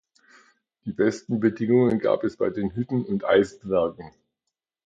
Die besten Bedingungen gab es bei den Hütten- und Eisenwerken.